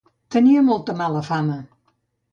Tenia molt mala fama.